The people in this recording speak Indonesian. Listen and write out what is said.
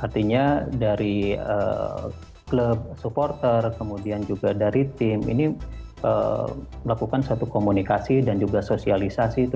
artinya dari klub supporter kemudian juga dari tim ini melakukan satu komunikasi dan juga sosialisasi